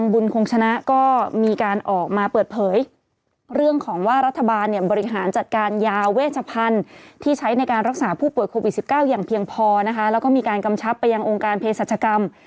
พูดโควิด๑๙อย่างเพียงพอนะคะแล้วก็มีการกำชับไปยังองค์การเพศรรจกรรม